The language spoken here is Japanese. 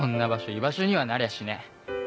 居場所にはなりゃしねえ。